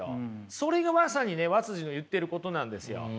それがまさにね和の言ってることなんですよ。